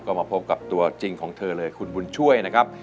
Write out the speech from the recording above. ก็มาพบกับตัวจริงของเธอเลยคุณบุญช่วยนะครับ